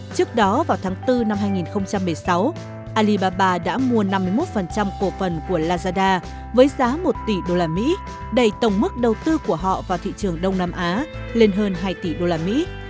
trước đó vào tháng bốn năm hai nghìn một mươi sáu alibaba đã mua năm mươi một cổ phần của lazada với giá một tỷ usd đầy tổng mức đầu tư của họ vào thị trường đông nam á lên hơn hai tỷ usd